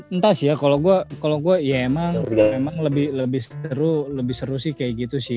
entah sih ya kalo gue kalo gue ya emang lebih seru sih kayak gitu sih